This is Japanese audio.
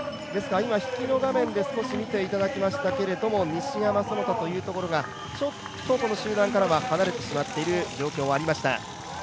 今、引きの画面で見ていただきましたけど、西山其田というところがこの集団から離れていってる状況はありました。